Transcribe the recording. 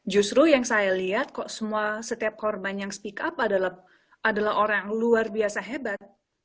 justru yang saya lihat kok semua setiap korban yang speak up adalah orang yang luar biasa hebat